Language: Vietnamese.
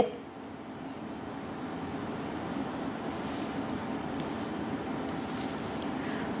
thưa quý vị